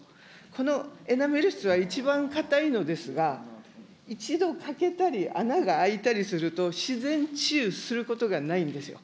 このエナメル質は一番硬いのですが、一度欠けたり穴が開いたりすると、自然治癒することがないんですよ。